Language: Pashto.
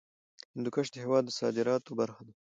هندوکش د هېواد د صادراتو برخه ده.